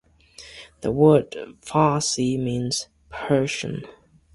The word "Farsi" means "Persian".